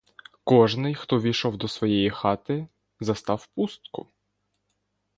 Кожний, хто ввійшов до своєї хати, застав пустку.